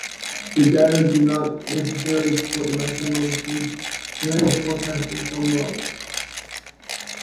These data do not necessarily support the maximum case scenarios forecast in some models.